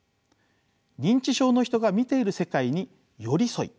認知症の人が見ている世界に寄り添い